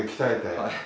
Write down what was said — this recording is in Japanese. はい。